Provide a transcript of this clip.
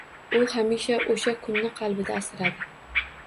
U hamisha o‘sha kunni qalbida asradi.